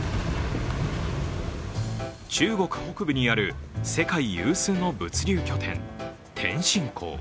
中国北部にある世界有数の物流拠点・天津港。